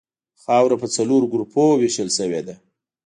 خاوره په څلورو ګروپونو ویشل شوې ده